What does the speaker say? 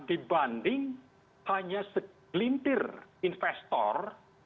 dibanding hanya segelintir investor